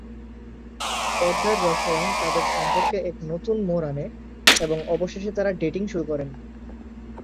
পর্দার রসায়ন তাঁদের সম্পর্কে এক নতুন মোড় আনে এবং অবশেষে তাঁরা ডেটিং শুরু করেন।